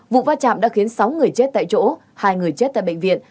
vụ va chạm đã khiến sáu người chết tại chỗ hai người chết tại bệnh viện